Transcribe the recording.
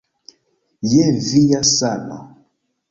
Je via sano.